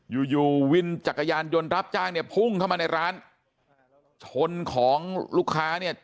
อยู่อยู่วินจักรยานยนต์รับจ้างเนี่ยพุ่งเข้ามาในร้านชนของลูกค้าเนี่ย